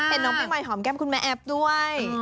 เห็นน้องปีใหม่หอมแก้มคุณแม่แอฟด้วย